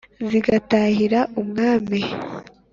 zigatahira umwami :